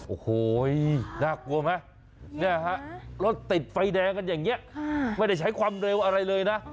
โอ้โหน่ากลัวไหมเนี่ยฮะรถติดไฟแดงกันอย่างนี้ไม่ได้ใช้ความเร็วอะไรเลยนะ